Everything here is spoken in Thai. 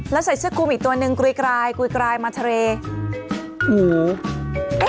แล้วใส่เสื้อกลุ่มอีกตัวหนึ่งกลุ่ยกลายกลุ่ยกลายมาทะเล